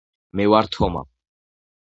მევარ თომა